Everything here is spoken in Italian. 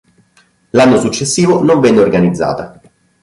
L'anno successivo non venne organizzata.